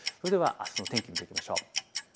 それではあすの天気を見ていきましょう。